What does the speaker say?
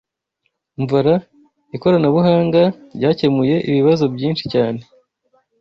Umva ra! Ikoranabuhanga ryakemuye ibibazo byinshi cyane.